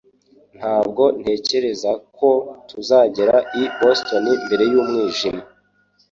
Ntabwo ntekereza ko tuzagera i Boston mbere y'umwijima